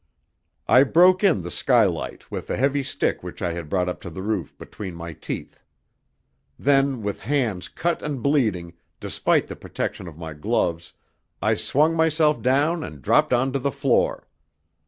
I broke in the skylight with the heavy stick which I had brought up to the roof between my teeth. Then, with hands cut and bleeding, despite the protection of my gloves, I swung myself down and dropped on to the floor.